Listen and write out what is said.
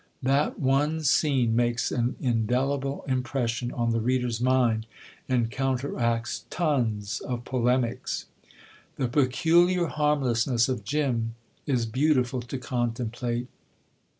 That one scene makes an indelible impression on the reader's mind, and counteracts tons of polemics. The peculiar harmlessness of Jim is beautiful to contemplate.